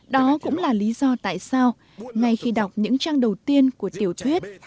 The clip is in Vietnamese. đó cũng là lý do tại sao ngay khi đọc những trang đầu tiên của tiểu thuyết